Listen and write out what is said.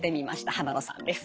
濱野さんです。